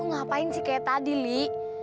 ngapain sih kayak tadi li